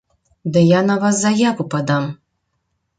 Да я на вас заяву падам!!!